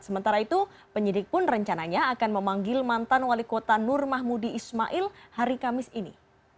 sementara itu penyidik pun rencananya akan memanggil mantan wali kota nur mahmudi ismail hari kamis ini